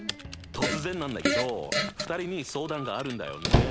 突然なんだけど２人に相談があるんだよね。